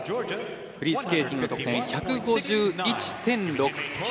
フリースケーティングの得点１５１．６９です。